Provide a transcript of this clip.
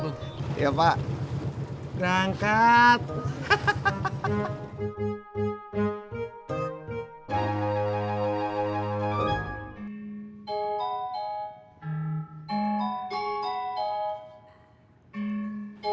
seterusnya sebelum berangkat kau